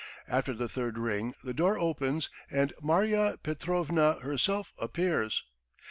After the third ring the door opens and Marya Petrovna herself appears.